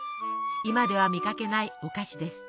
今では見かけないお菓子です。